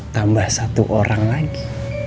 tambah satu orang lagi